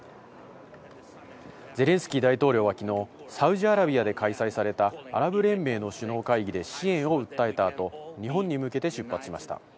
ゼレンスキー大統領はきのう、サウジアラビアで開催されたアラブ連盟の首脳会議で支援を訴えた後、日本に向けて出発しました。